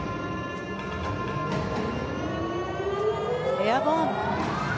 エアボーン！